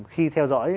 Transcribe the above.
khi theo dõi